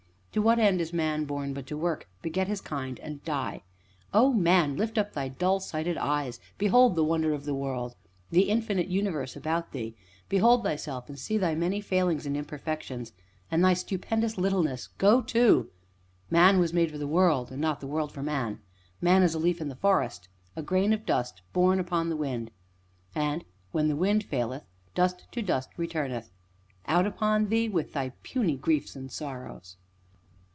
To what end is Man born but to work, beget his kind, and die? O Man! lift up thy dull sighted eyes behold the wonder of the world, and the infinite universe about thee; behold thyself, and see thy many failings and imperfections, and thy stupendous littleness go to! Man was made for the world, and not the world for man! Man is a leaf in the forest a grain of dust borne upon the wind, and, when the wind faileth, dust to dust returneth; out upon thee, with thy puny griefs and sorrows.